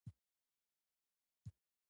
موږ د خپل کرامت او احترام غوښتونکي یو.